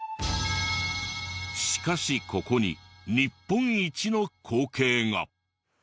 しかしここに日本一の光景が。